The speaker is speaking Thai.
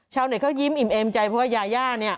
ชาวเน็ตเขายิ้มอิ่มเอมใจเพราะว่ายาย่าเนี่ย